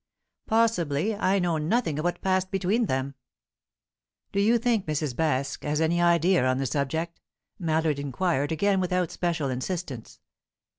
"Possibly. I know nothing of what passed between them." "Do you think Mrs. Baske has any idea on the subject?" Mallard inquired, again without special insistence.